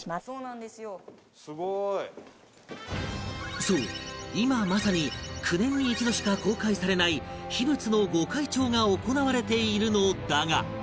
そう今まさに９年に一度しか公開されない秘仏の御開帳が行われているのだが